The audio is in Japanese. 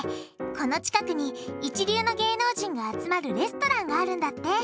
この近くに一流の芸能人が集まるレストランがあるんだって。